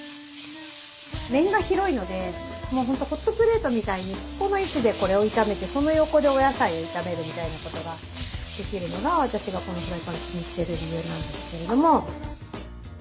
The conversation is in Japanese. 面が広いのでもう本当ホットプレートみたいにここの位置でこれを炒めてその横でお野菜を炒めるみたいなことができるのが私がこのフライパン気に入ってる理由なんですけれども。